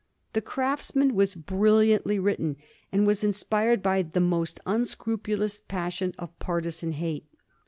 The Craftsman was brilliantly written, and was inspired by the most unscrupulous passion of partisan hate.